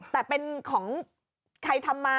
แต่เป็นของใครทำมา